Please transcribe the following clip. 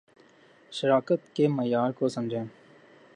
اقتدار کی ہوس ختم ہی نہیں ہوتی